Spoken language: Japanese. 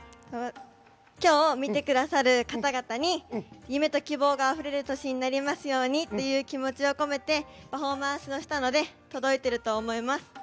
きょう、見てくださる方々に夢と希望があふれる年になりますようにっていう気持ちをこめてパフォーマンスをしたので届いてると思います。